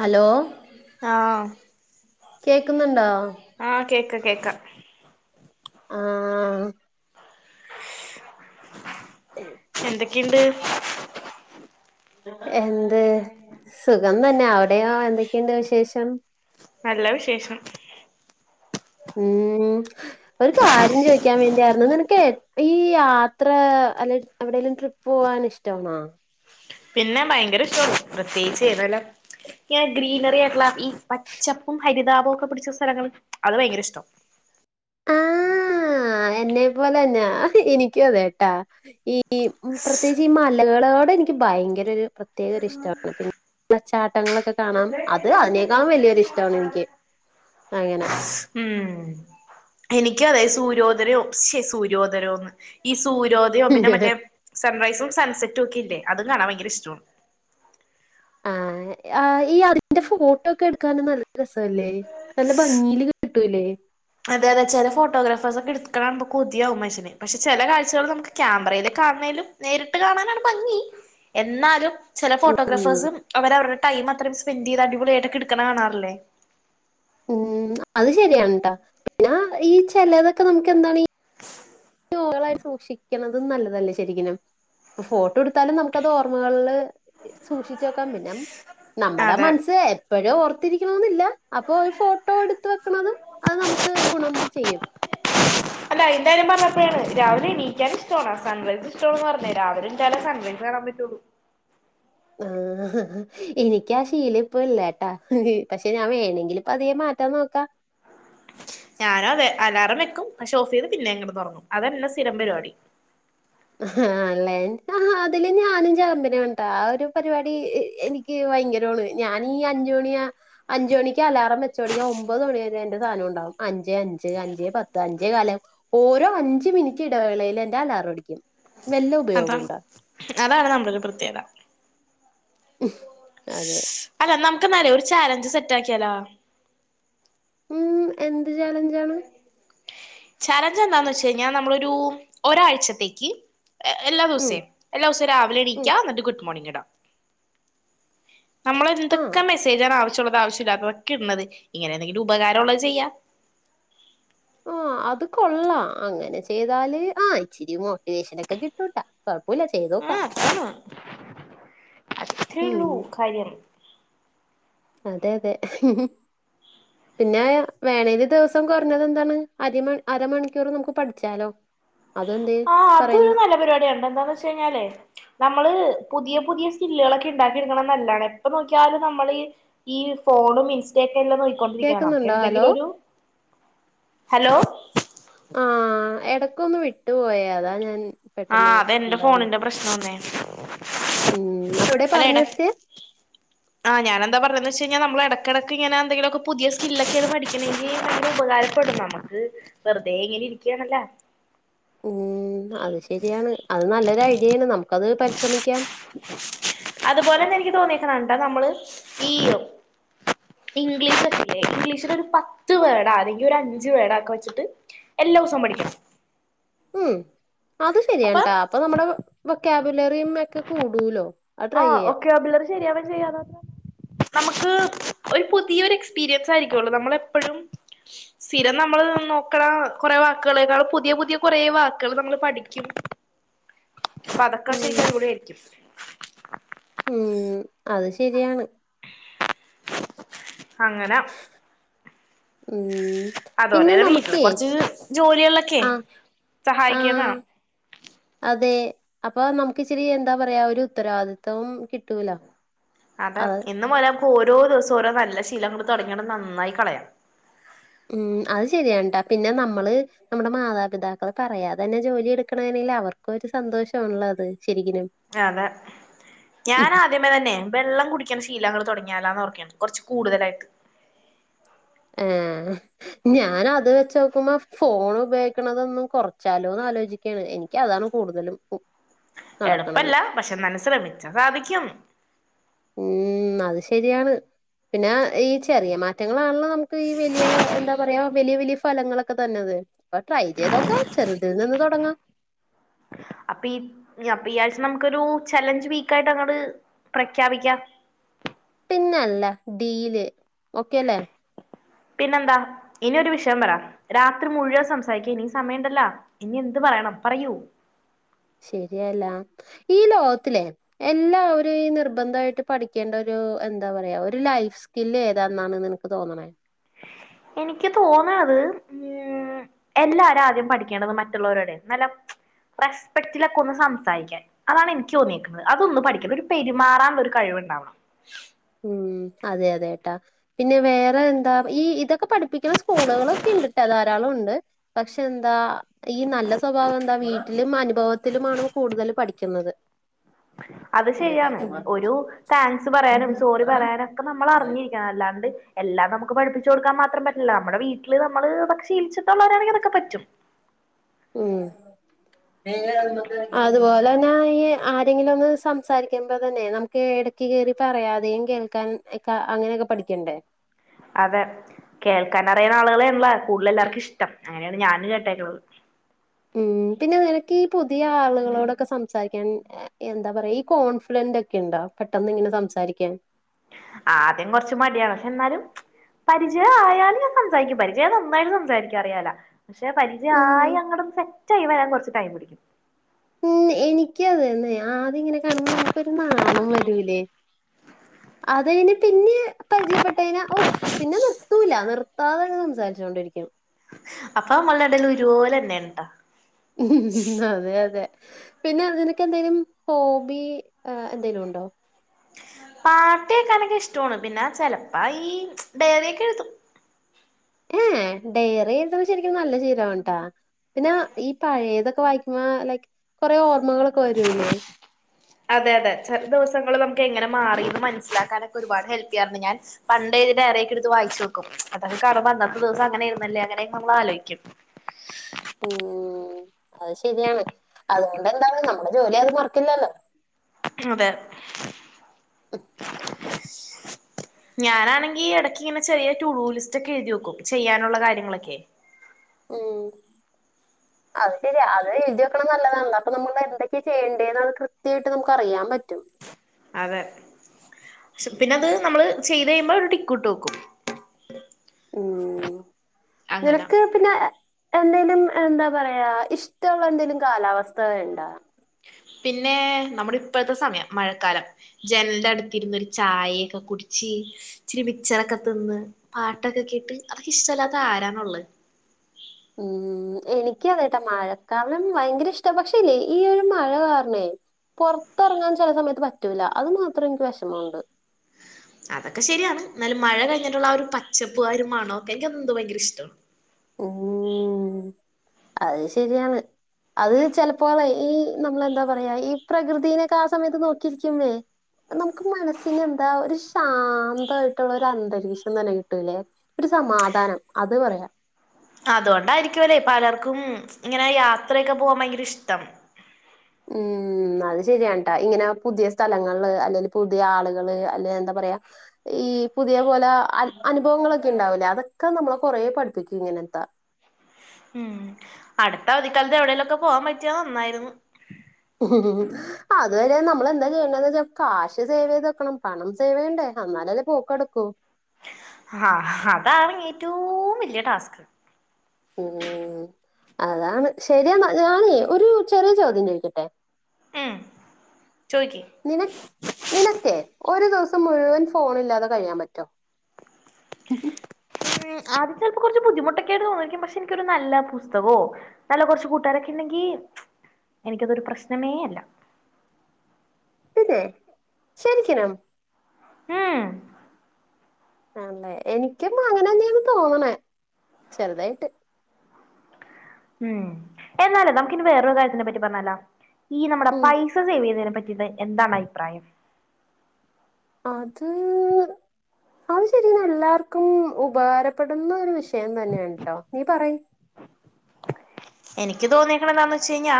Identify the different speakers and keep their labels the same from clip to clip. Speaker 1: Hello
Speaker 2: ആഹ്
Speaker 1: കേക്ക്ന്നുണ്ടോ?
Speaker 2: ആഹ് കേക്ക കേക്ക.
Speaker 1: ആഹ്.
Speaker 2: എന്തെക്കെണ്ട്?
Speaker 1: എന്ത് സുഖം തന്നെ അവിടെയോ എന്തൊക്കെണ്ട് വിശേഷം?
Speaker 2: നല്ല വിശേഷം.
Speaker 1: ഉം ഒരു കാര്യം ചോയ്ക്ക്യാൻ വേണ്ടിയായിരുന്നു നിനക്കെ ഈ യാത്ര അല്ലെ എവിടെലും ട്രിപ്പ് പോവാൻ ഇഷ്ടാണോ?
Speaker 2: പിന്നെ ഭയങ്കര ഇഷ്ട്യാണ് പ്രത്യേച്ച് ഏതോലൊ ഇങ്ങനെ ഗ്രീനറി ആയിട്ട്ള്ള ഈ പച്ചപ്പും ഹരിതാപവും ഒക്കെ പിടിച്ച സ്ഥലങ്ങൾ അത് ഭയങ്കര ഇഷ്ട.
Speaker 1: ആഹ് എന്നെ പോലെന്നാ എനിക്കും അതേട്ടാ ഈ ഈ പ്രത്യേച്ച് ഈ മലകളോടെ എനിക്ക് ഭയങ്കര ഒരു പ്രത്യേക ഒര് ഇഷ്ടാണ് പിന്നെ വള്ളച്ചാട്ടങ്ങളൊക്കെ കാണും അത് അതിനേക്കാളും വെല്ല്യൊരിഷ്ടാണിൻക്ക് അങ്ങന
Speaker 2: ഉം എനിക്കറിയാ സൂരോദരോ ശെ സൂര്യോദരോന്ന് ഈ സൂരോ ര്യോധനം
Speaker 1: അങ്ങനെ
Speaker 2: മറ്റേ സൺറൈസും സൺ സെറ്റൊക്കെല്ലേ അത് കാണാൻ ഭയങ്കരിഷ്ടാണ്.
Speaker 1: ആഹ് ഈ അ [unintelligible] ന്റെ ഫോട്ടോക്കെട്ക്കാന് നല്ല രസോല്ലേ നല്ല ഭംഗില് കിട്ടൂല്ലേ
Speaker 2: അതായതെ ചെലെ ഫോട്ടോഗ്രാഫേഴ്സൊക്കെട്ക്കാണാണുമ്പോ കൊത്യാവും മൻഷ്യന് പക്ഷെ ചെലെ കാഴ്ചകള് നമക്ക് ക്യാമറയില് കാണ്ന്നേലും നേരിട്ട് കാണാനാണ് ഭംഗി എന്നാലും ചെല
Speaker 1: ഉം
Speaker 2: ഫോട്ടോഗ്രാഫേഴ്സും അവര് അവര്ടെ ടൈം മത്രയും സ്പെൻ്റെയ്ത് അടിപൊളിയായിട്ടൊക്കെട്ക്ക്ണെ കാണാറില്ലെ
Speaker 1: ഉം അത് ശെര്യാണ്‌ട്ടോ പിന്നെ ഈ ചെലേലൊക്കെ നമക്കെന്താണി പൂളായി സൂക്ഷിക്ക്ണതും നല്ലതല്ലേ ശെരിക്ക്നും ഫോട്ടെട്ത്താലും നമക്കത് ഓർമ്മകൾള് സൂക്ഷിച്ച വെക്കാം പിന്നെം നമ്മടെ
Speaker 2: അതെ
Speaker 1: മനസ്സ് എ പ്പഴും ഓർത്തിരിക്കണോന്നില്ല അപ്പൊ ഒരു ഫോട്ടോ എടുത്ത് വെക്ക്ണത് അത് നമക്ക് ഗുണം ചെയ്യും
Speaker 2: അല്ല എന്തായാലും പറഞ്ഞപ്പോഴാണ് രാവിലെ [unintelligible] രാവിലെണീക്കണം സ സൺ റൈസിഷ്ടിണന്ന് പർഞ്ഞേ രാവിലെണീറ്റാലേ സൺറൈസ് കാണൻ പറ്റൊള്ളൂ
Speaker 1: ആഹ് എനിക്കാ ശീലപ്പല്ലാട്ടാ പക്ഷെ ഞാൻ വേണെങ്കില് പതിയെ മാറ്റാൻ നോക്കാ.
Speaker 2: ഞാന വെ അലാറം വെക്കും പക്ഷെ ഓഫെയ്ത് പിന്നെം കെടന്നൊറങ്ങും അതെന്നെ സ്ഥിരം പരിവാടി.
Speaker 1: [unintelligible] അതില് ഞാനും ചാമ്പലേനി ട്ടാ ആ ഒര് പരിവാടി എ എനി ക്ക് ഭയങ്കര പണ്യായി ഞാനീ അഞ്ച് മണിയാ അഞ്ച് മണിക്ക് അലാറാം വെച്ചോട്ങ്ങ്യാ ഒമ്പത് മണി വരെ ഇന്റെ സാനണ്ടാവും അഞ്ചേ അഞ്ച്, അഞ്ചേ പത്ത്, അഞ്ചേ കാല ഓരോ അഞ്ച് മിനിറ്റ് ഇടവേളയില് എന്റെലാറടിക്കും
Speaker 2: അതാ
Speaker 1: വെല്ലുപയോഗണ്ടോ
Speaker 2: അതാണ് നമ്മടൊരു പ്രത്യേകത.
Speaker 1: ഉം അതെ
Speaker 2: അല്ല നമക്കെന്നാലെ ഒരു ചാലഞ്ച് സെറ്റാക്ക്യാലോ?
Speaker 1: ഉം എന്ത് ചാലഞ്ചാണ്?
Speaker 2: ചലഞ്ച് എന്താന്ന് വെച്ചഴിഞ്ഞാ നമ്മളൊരു ഒരാഴ്ചത്തേക്ക് എ എല്ലാ
Speaker 1: ഉം
Speaker 2: ദിവസേം എല്ലാസോം
Speaker 1: ഉം.
Speaker 2: രാവിലെണിക്ക ന്നട്ട് ഗുഡ് മോണിംഗ്ടാ
Speaker 1: ആ.
Speaker 2: നമ്മളെന്തൊക്കെ മെസ്സേജാണ് ആവശ്യമുള്ളത് ആവശ്യല്ലതതൊക്കെട്ണത് ഇങ്ങനെ ന്തെങ്കിലുപകാരള്ളത് ചെയ്യാ
Speaker 1: ആഹ് അത് കൊള്ളാം അങ്ങനെ ചെയ്താല് ആഹ് ഇച്ചിരി മോ ട്ടിവേഷനൊക്കെ കിട്ടൂട്ടാ കൊഴപ്പല്ല ചെയ്തോക്കാ.
Speaker 2: ആഹ്
Speaker 1: ഉം.
Speaker 2: അത്രേള്ളൂ കാര്യം.
Speaker 1: അതെ യതെ പിന്നെ വേണേന്ന് ദിവസം കൊർഞ്ഞത് എന്താണ് അരമ അരമണിക്കൂറ് നമക്ക് പഠിച്ചാലോ. അതെന്തേ
Speaker 2: ആഹ് അതൊരു
Speaker 1: പറയുന്നു
Speaker 2: നല്ല പരിപാട്യാണ് ട്ടോ എന്താന്ന് വെച്ചഴിഞ്ഞാലേ. നമ്മള് പുതിയ പുതിയ സ്കില്ലെളൊ ക്കിണ്ടാക്കിട്ക്ക്ണ നല്ലാണ് എപ്പൊ നോക്ക്യാലും നമ്മളീ ഈ ഫോണും ഇൻസ്റ്റൊക്കെ ല്ലേ നോക്കിക്കൊണ്ടിരിക്കണ
Speaker 1: കേക്കുന്നുണ്ടോ ഹലോ
Speaker 2: അപ്പെന്തെങ്കിലൊരു ഹലോ
Speaker 1: ആഹ് എടക്കൊന്ന് വിട്ട് പോയ അതാ ഞാൻ പെട്ടെന്ന്
Speaker 2: ആഹ് അതെന്റെ
Speaker 1: എന്താന്ന്
Speaker 2: ഫോണിന്റെ പ്രശ്നാ ന്നേ
Speaker 1: ഉം അപ്പെവടെ പർഞ്ഞെത്യെ?
Speaker 2: ആഹ് ഞാനെന്താ പർഞ്ഞതച്ചഴ്ഞ്ഞാ നമ്മളെടക്കെടക്ക് ഇങ്ങനെ എന്തെങ്കിലൊക്കെ പുതിയ സ്കില്ലൊക്കെ പഠിക്കണെങ്കി അ [unintelligible] ഉപകാര പ്പെടും നമ്മക്ക് വെറ്തെയിങ്ങനിരിയ്ക്കാണല്ല
Speaker 1: ഉം അത് ശെര്യാണ് അത് നല്ലൊരൈഡ്യേണ് നമക്കത് പരിശ്രമിക്കാം.
Speaker 2: അത്പോലെന്നെ എനിക്ക് തോന്നീക്ക്ണ് ട്ടോ നമ്മള് ഈ ഇംഗ്ലീഷൊക്കെല്ലേ ഇംഗ്ലീഷൊക്കെ ഒരുപത്ത് വേഡോ അല്ലെങ്കി ഒരു അഞ്ചു വേഡോ ഒക്കെ വെച്ചിട്ട് എല്ലോസം പഠിക്കണം
Speaker 1: ഉം അത് ശരിയാണ് ട്ടാ അപ്പൊ നമ്മുടെ വെക്കാബുലറിയുമൊക്കെ കൂടൂലോ അത് ട്രൈ
Speaker 2: ആഹ്
Speaker 1: ചെയ്യാം
Speaker 2: വൊക്കബുലറി ശരിയാവാൻ ചെയ്യാന്നറിഞ്ഞേ നമുക്ക് ഒരു പുതിയ ഒരു എക്സ്പീരിയൻസ് ആയിരിക്കുള്ളൂ നമ്മളെപ്പഴും സ്ഥിരം നമ്മള് നോക്കണ കൊറെ വാക്കുകളെക്കാളും പുതിയ പുതിയ കൊറെ വാക്കുകള് നമ്മൾ പഠിക്കും അപ്പതൊക്കെ
Speaker 1: ഉം
Speaker 2: ശരിയാവൂലെരിക്കും
Speaker 1: ഉം അത് ശരിയാണ്
Speaker 2: അങ്ങനെ
Speaker 1: ഉം പിന്നെ
Speaker 2: അതോലെന്നെ വീട്ടിലെ
Speaker 1: നമുക്കേ
Speaker 2: കൊറച്ച് ജോലികളൊക്കെയെ
Speaker 1: ആ
Speaker 2: സഹായിക്കണം
Speaker 1: ആ അതെ അപ്പൊ നമുക്ക് ഇച്ചിരി എന്താ പറയാ ഒരു ഉത്തരവാദിത്തം കിട്ടൂലൊ
Speaker 2: അതെ ഇന്ന് മുതലെക്കോരോ ദിവസം ഓരോ നല്ല ശീലങ്ങൾ തൊടങ്ങിട്ട് നന്നായി കളയാം
Speaker 1: ഉം അത് ശരിയാണ് ട്ടാ പിന്നെ നമ്മള് നമ്മുടെ മാതാപിതാക്കള് പറയാതെ തന്നെ ജോലിയെടുക്കണെയിലവർക്കൊരു സന്തോഷവാണല്ലോ അത് ശരിക്കിനും
Speaker 2: അതെ ഞാന ദ്യമേതന്നെ വെള്ളം കുടിക്കണ ശീലങ്ങട് തുടങ്ങിയാലോന്നോർക്കാണ് കൊറച്ച് കൂടുതലായിട്ട്
Speaker 1: ഏഹ് ഞാനത് വെച്ചോക്കുമ്പോ ഫോണുപയോഗിക്കണതൊന്ന്‌ കൊറച്ചാലോന്ന് ആലോചിക്കയാണ് എനിക്ക് എനിക്കതാണ് കൂടുതലും നടക്കണത്.
Speaker 2: എളുപ്പല്ല പക്ഷെന്നാലും ശ്രമിച്ചാ സാധിക്കും
Speaker 1: ഉം അത് ശരിയാണ് പിന്നെ ഈ ചെറിയ മാ റ്റങ്ങളാണല്ലോ നമുക്ക് ഈ വലിയ എന്താ പറയാ വലിയ വലിയ ഫ് ഫലങ്ങളൊക്കെ തന്നെത് അപ്പൊ ട്രൈ ചെയ്തോക്കാ ചെറുതിൽ നിന്ന് തൊടങ്ങാം
Speaker 2: അപ്പൊ ഈ അപ്പൊ ഈ ആഴ്ച നമുക്കൊരു ചലഞ്ച് വീക്കായിട്ട് അങ്ങട് പ്രഖ്യാപിക്കാം
Speaker 1: പിന്നല്ല ഡീല് ഓക്കെയല്ലേ
Speaker 2: പിന്നെന്താ ഇനിയൊരു വിഷയം പറ രാത്രി മുഴുവൻ സംസാരിക്കാ ഇനി സമയണ്ടല്ലാ ഇനി എന്ത് പറയണം പറയൂ
Speaker 1: ശെരിയാല്ല ഈ ലോകത്തിലെ എല്ലാ ഒര് നിർബന്ധയിട്ട് പഠിക്കേണ്ട ഒരു എന്താ പറയാ ഒരു ലൈഫ് സ്കില്ല് ഏതാണ്ന്നാണ് നിനക്ക് തോന്നണേ
Speaker 2: എനിക്ക് തോന്നണത് ഉം എല്ലാരും ആദ്യം പഠിക്കേണ്ടത് മറ്റുള്ളോരോടെ നല്ല റെസ്പെക്റ്റിലൊക്കെ ഒന്ന് സംസാരിക്കാൻ അതാണ് എനിക്ക് തോന്നിയേക്കുന്നത് അതൊന്നും പഠിക്കണം ഒരു പെരുമാറാനുള്ള ഒരു കഴിവുണ്ടാവണം
Speaker 1: ഉം അതെ അതെ ട്ടാ പിന്നെ വേറെ എന്താ ഈ ഇതൊക്കെ പഠിപ്പിക്കണ സ്കൂളുകളൊക്കെ ഇണ്ടിട്ട ധാരാളവൊണ്ട് പക്ഷെ ഇതെന്താ ഈ നല്ല സ്വഭാവം എന്താ വീട്ടിലും അനുഭവത്തിലുമാണ് കൂടുതല് പഠിക്കുന്നത്
Speaker 2: അത് ശെരിയാണ് ഒരു താങ്ക്സ് പറയാനും സോറി പറയാനും ഒക്കെ നമ്മളറിഞ്ഞിരിക്കണം അല്ലാ ണ്ട് എല്ലാം നമുക്ക് പഠിപ്പിച്ച് കൊടുക്കാൻ മാത്രം പറ്റില്ല നമ്മുടെ വീട്ടില് നമ്മള് ശീലിച്ചിട്ടോള്ളവരാണെങ്കി അതൊക്കെ പറ്റും
Speaker 1: ഉം [unintelligible] അതുപോലെ തന്നെ ഈ ആരെങ്കിലും ഒന്ന് സംസാരിക്കുമ്പോ തന്നെ നമ് ക്ക് എടക്ക് കേറി പറയാതെയും കേൾക്കാൻ ക്ക അങ്ങനെയൊക്കെ പഠിക്കണ്ടേ
Speaker 2: അതെ കേൾക്കാനറിയണ ആളുകളേൻള്ള കൂടുല്ലെല്ലാർക്കും ഇഷ്ട്ടം അങ്ങനെയാണ് ഞാൻ കേട്ടേക്കണത്.
Speaker 1: ഉം പിന്നെ നിനക്കീ പുതിയ ആളുകളോടൊക്കെ സംസാരിക്കാൻ. എ എന്താ പറയാ ഈ കോൺഫിഡന്റ്ക്കെണ്ടൊ പെട്ടെന്ന് ഇങ്ങനെ സംസാരിക്കാൻ.
Speaker 2: ആദ്യം കൊർച്ച് മടിയാണ് പക്ഷെ എന്നാലും. പരിജയം ആയാലും ഞാൻ സംസാരിക്കും പരിജയം നന്നായാലും സംസാരിക്കും അറിയാല. പക്ഷെ
Speaker 1: ഉം
Speaker 2: പരിജായി അങ്ങടൊന്ന് സെറ്റായി വെരാൻ കൊർച്ച് ടൈം പിടിക്കും.
Speaker 1: ഉം എനിക്കു അതന്നെ ആദ്യം ഇങ്ങനെ കാണുമ്പം നമുക്കൊരു നാണം വെരൂലേ? അതയ്ഞ്ഞ് പിന്നെ പരിജയ പ്പെട്ടയ്ഞ്ഞാ ഒഫ് പിന്നെ നിർത്തൂല നിർത്താതങ്ങ് സംസാരിച്ചോണ്ടിരിക്കും.
Speaker 2: അപ്പൊ അമ്മള രണ്ടേരും ഒരുപോലന്നാണ് ട്ടാ.
Speaker 1: അതെ അതെ. പിന്നെ നിനക്കെന്തേലും ഹോബി ആ എന്തേലുണ്ടോ?
Speaker 2: പാട്ടേക്കാനൊക്കെ ഇഷ്ട്ടോണ് പിന്നെ ചെലപ്പ ഈ സെയറിയൊക്കെ എഴുതും.
Speaker 1: ഏഹ് ഡയറി എഴുതണ ശെരിക്കും നല്ല ശീലാൺട്ട പിന്നെ ഈ പഴയതൊക്കെ വായിക്കുംമ്പ ലൈക്ക് കൊറേ ഓർമ്മകളൊക്കെ വരൂല്ലേ?
Speaker 2: അതെ അതെ ചെല ദിവസങ്ങൾ നമുക്കെങ്ങനെ മാറീന്ന് മനസ്സിലാക്കാനൊക്കെ ഒരുപാട് ഹെൽപ്പെയ്യാറുണ്ട് ഞാൻ. പണ്ടെഴ്തിയ ഡയറിയൊക്കെട്ത്ത് വായിച്ചോക്കും അതൊക്കെ കാണുംമ്പൊ അന്നത്തെ ദിവസം അങ്ങനേര്ന്നല്ലേ അങ്ങനേം നമ്മൾ ആലോയ്ക്കും.
Speaker 1: ഉം അത് ശെരിയാണ് അതുകൊണ്ടെന്താണ് നമ്മുടെ ജോലി അത് മറക്കില്ലല്ലോ.
Speaker 2: അതെ.
Speaker 1: [inaudible]
Speaker 2: ഞാനാണെങ്കി ഈ എടക്കിങ്ങനെ ചെറിയ ടൂ ലിസ്റ്റ്ക്കെ എഴുതി വെക്കും ചെയ്യാനൊള്ള കാര്യങ്ങളൊക്കെ.
Speaker 1: ഉം. അത് ശെരിയാ അത് എഴുതി വെക്കണത് നല്ലതാണല്ലോ അപ്പൊ നമ്മൾ എന്തൊക്കെ ചെയ്യേണ്ടേന്ന് അത് കൃത്യായിട്ട് നമുക്കറിയാൻ പറ്റും.
Speaker 2: അതെ ശെ പിന്നത് നമ്മള് ചെയ്ത് കഴിയുംമ്പോ ഒരു ട്ടിക്കൂട്ട് വെക്കും.
Speaker 1: ഉം
Speaker 2: അങ്ങനെ
Speaker 1: നിനക്ക്. പിന്നെ എന്തേലും എന്താ പറയാ ഇഷ്ട്ടൊള്ള എന്തേലും കാലാവസ്ഥ ഇണ്ടാ
Speaker 2: പിന്നെ നമ്മടെ ഇപ്പഴ്ത്തെ സമയം മഴക്കാലം. ജനൽന്റെടുത്ത് ഇരുന്ന് ഒരു ചായക്കെ കുടിച്ച്. ഇച്ചിരി മിച്ചറൊക്ക തിന്ന് പാട്ടൊക്കെ കേട്ട് അതൊക്കെ ഇഷ്ട്ടല്ലാത്ത ആരാണുള്ള
Speaker 1: ഉം എനിക്ക് അതേട്ടാ മഴക്കാലം ഭയങ്കര ഇഷ്ട്ടാ പക്ഷേല്ലേ ഈ ഒരു മഴ കാർണേ. പൊർത്തെർങ്ങാൻ ചെല സമയത്ത് പറ്റൂല്ല അത് മാത്രം എനിക്ക് വെഷ്മൊണ്ട്.
Speaker 2: അതൊക്കെ ശെരിയാണ് എന്നാലും മഴ കഴിഞ്ഞിട്ടൊള്ള ആ ഒരു പച്ചപ്പും ആ ഒരു മണോക്കെ എനിക്കെന്തോ ഭയങ്കര ഇഷ്ട്ടാണ്.
Speaker 1: ഉം അത് ശെരിയാണ്. അത് ചെൽപ്പോലെ ഈ നമ്മളെന്താ പറയാ ഈ പ്രകൃതീനൊക്കെ ആ സമയത്ത് നോക്കിയിരിക്കുമ്പേ നമുക്ക് മനസ്സിനെന്താ ഒരു ശാന്തായിട്ടൊള്ള ഒരു അന്തരീക്ഷം തന്നെ കിട്ടൂല്ലേ. ഒരു സമാധാനം അത് പറയാ.
Speaker 2: അതോണ്ടായിരിക്കൂല്ലെ പലർക്കും ഇങ്ങനെ യാത്രയൊക്ക പോവാൻ ഭയങ്കര ഇഷ്ട്ടം.
Speaker 1: ഉം അത് ശരിയാൺട്ടാ ഇങ്ങനെ പുതിയ സ്ഥലങ്ങൾല് അല്ലെങ്കി പുതിയ ആളുകള് അല്ലെ എന്താ പറയാ. ഈ പുതിയ പോല അ അനുഭവങ്ങളൊക്കെ ഇണ്ടാവൂലേ അതൊക്കെ നമ്മളെ കൊറേ പഠിപ്പിക്കും ഇങ്ങനത്ത
Speaker 2: ഉം അടുത്ത അവധിക്കാലത്ത് എവിടേലൊക്കെ പോവാൻ പറ്റിയാ നന്നായിരുന്നു.
Speaker 1: [inaudible] അതുവരെ നമ്മൾ എന്താ ചെയ്യേണ്ടന്ന് വെച്ചാ കാശ് സേവെയ്ത് വെക്കണം പണം സേവെയ്യണ്ടേ അന്നാലല്ലേ പോ കൊട്ക്കൂ.
Speaker 2: ഹാ ഹതാണ് ഏറ്റവൂം വല്യ ടാസ്ക്.
Speaker 1: ഉം അതാണ് ശരിയെന്നാ ഞാനെ ഒരു ചെറിയ ചോദ്യം ചോയിക്കട്ടെ
Speaker 2: ഉ ചോയ്ക്കി
Speaker 1: നിന നിനക്കേ ഒരു ദിവസം മുഴുവൻ ഫോൺ ഇല്ലാതെ കഴിയാൻ പറ്റോ ഉഹും
Speaker 2: ആദ്യം ചിലപ്പോ കുറച്ചു ബുദ്ധിമുട്ടൊക്കെ ആയിട്ട് തോന്നിക്കും പക്ഷെ എനിക്കൊരു നല്ല പുസ്തകോ നല്ല കുറച്ച് കൂട്ടുകാരൊക്കെ ഉണ്ടെങ്കി എനിക്കതൊരു പ്രശ്നമേ അല്ല
Speaker 1: ഇല്ലേ ശരിക്കനും
Speaker 2: ഉം
Speaker 1: ആല്ലെ എനിക്ക അങ്ങനെന്നെയന്ന് തോന്നണേ ചെറുതായിട്ട്
Speaker 2: ഉം എന്നാലേ നമുക്ക് ഇനി വേറരു കാര്യത്തിനെ പറ്റി പറഞ്ഞാല ഈ നമ്മുടെ
Speaker 1: ഉം
Speaker 2: പൈ സ സേവ് ചെയ്യുന്നതിനെ പറ്റിട്ട് എന്താണ് അഭിപ്രായം
Speaker 1: അത് അത് ശരി എല്ലാവർക്കും ഉപകാരപ്പെടുന്ന ഒരു വിഷയം തന്നെയാണ് കേട്ടോ നീ പറയ്
Speaker 2: എനിക്ക് തോന്നീക്കണത് എന്താന്ന് വെച്ച് കഴിഞ്ഞാ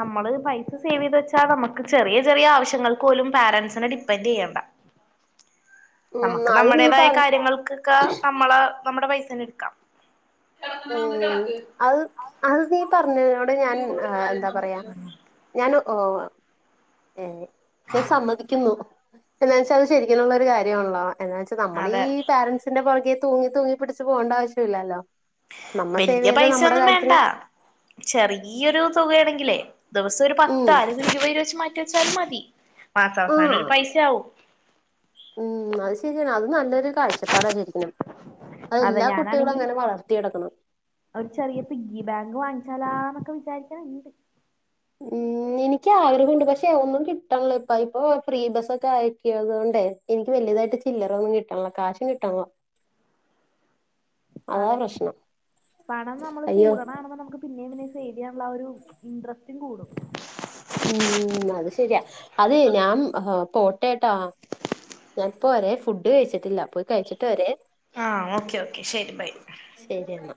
Speaker 2: നമ്മള് പൈസ സേവ് ചെയ്തു വെച്ചാൽ നമുക്ക് ചെറിയ ചെറിയ ആവശ്യങ്ങൾക്ക് പോലും പാരൻറ്സിനെ ഡിപ്പെൻഡ് ചെയ്യേണ്ട
Speaker 1: ഉം
Speaker 2: നമുക്ക്
Speaker 1: അത് നീ
Speaker 2: നമ്മുടേതായ
Speaker 1: പറ
Speaker 2: കാര്യങ്ങൾക്കൊക്കെ നമ്മളെ നമ്മുടെ പൈസേന്ന എടുക്കാം
Speaker 1: ഉം അത് അത് നീ പറഞ്ഞതിനോടെ ഞാൻ എന്താ പറയാ ഞാൻ ഏ ഞാൻ സമ്മതിക്കുന്നു എന്താന്ന് വച്ചാൽത് ശരിക്കുള്ളള്ളരു കാര്യമാണല്ലോ എന്ന് വെച്ച്
Speaker 2: അതെ
Speaker 1: നമ്മളീഈ പോരൻസ് ന്റെ പുറകെ തൂങ്ങി തൂങ്ങി പിടിച്ചച്ച് പോകണ്ട ആവശ്യമില്ലല്ലോ നമ്മ സേവ്
Speaker 2: വല്യയ
Speaker 1: ചെയ്ത് നമ്മുടെ
Speaker 2: പൈസൊന്നും വേണ്ട
Speaker 1: കാര്യത്തിന്
Speaker 2: ചെറിയൊരു തുകയാണെങ്കിലേ ദിവസം ഒരു പത്ത
Speaker 1: ഉം
Speaker 2: അല്ലങ്കത് ഇരുപത് രൂവ വച്ച്മാറ്റി വച്ചാലും മതി മാസ
Speaker 1: ആ
Speaker 2: അവസാനം ഒരു പൈസയാവും
Speaker 1: ഉം അത് ശരിയാണ് അത് നല്ലൊരു കാഴ്ചപ്പാടാ ശെരിക്കനും അത
Speaker 2: അതെ
Speaker 1: എല്ലാ കുട്ടികളും
Speaker 2: ഞാനാണെങ്കി
Speaker 1: അങ്ങനെ വളർത്തിയെടുക്കണം
Speaker 2: ഒരു ചെറിയ പിഗ്ഗി ബാങ്ക് വാങ്ങിച്ചാലാന്നൊക്കെ വിചാരിക്കാണ്ട്
Speaker 1: ഉം എനിക്ക് ആഗ്രഹം ഒണ്ട് പക്ഷെ ഒന്നും കിട്ടല്ല ഇപ്പ ഇപ്പൊ ഫ്രീ ബസ്സ ഒക്കെ ആക്കിയ തുകൊണ്ടേ എനിക്ക് വലിയതായിട്ട് ചില്ലറൊന്നും കിട്ടണല്ലോ കാശും കിട്ടള്ള
Speaker 2: അതെ പണം നമ്മള്
Speaker 1: അയ്യോ
Speaker 2: കൂടണ കാണുമ്പം നമുക്ക് പിന്നേം പിന്നെം സേവ് ചെയ്യാനുള്ള ആ ഒരു ഇൻറ്രസ്റ്റും കൂടും
Speaker 1: ഉം അത് ശരിയാ അതെ ഞാൻ പോട്ടേട്ടാ ഞാനിപ്പോ വരെ ഫുഡ് കഴിച്ചിട്ടില്ല പോയി കഴിച്ചിട്ട് വരെ
Speaker 2: ആഹ് ഓക്കെ ഓക്കെ ശരി ബൈ
Speaker 1: ശരിയന്ന